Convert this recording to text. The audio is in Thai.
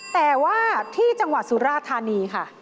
แต่ว่าที่จังหวัดสุราธานีค่ะ